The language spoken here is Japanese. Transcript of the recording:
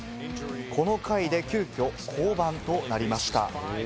この回で急きょ降板となりました。